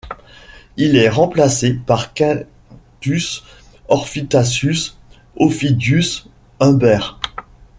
Il est remplacé par Quintus Orfitasius Aufidius Umber.